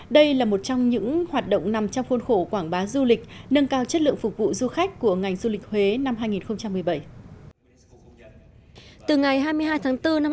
đây là một trong những hoạt động nằm trong khuôn khổ quảng bá du lịch nâng cao chất lượng phục vụ du khách của ngành du lịch huế năm hai nghìn một mươi bảy